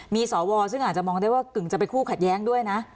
มีสวซึ่งอาจจะมองได้ว่ากึ่งจะเป็นคู่ขัดแย้งด้วยนะ